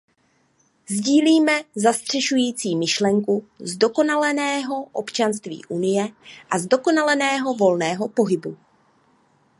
Sdílíme zastřešující myšlenku zdokonaleného občanství Unie a zdokonaleného volného pohybu.